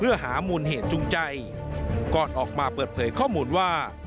เพื่อหามูลเหตุจูงใจก่อนออกมาเปิดเผยข้อมูลว่า